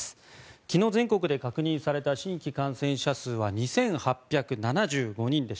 昨日全国で確認された新規感染者数は２８７５人。